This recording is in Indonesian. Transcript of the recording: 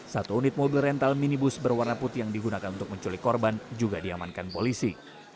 satu unit mobil rental minibus berwarna putih yang digunakan untuk menculik korban juga diamankan polisi